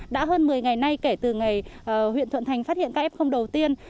đã hơn một mươi ngày nay kể từ ngày huyện thuận thành phát hiện kf đầu tiên